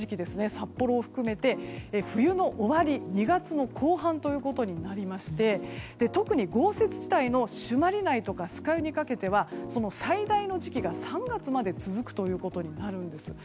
札幌を含めて冬の終わり２月の後半となりまして特に豪雪地帯の朱鞠内とか酸ヶ湯にかけては最大の時期が３月まで続くということになるんです。